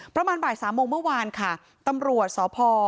ประมาณบ่ายสามโมงเมื่อวานค่ะตำรวจสพ